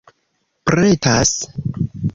pretas